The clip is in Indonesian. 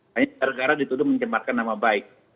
hanya gara gara dituduh mencemarkan nama baik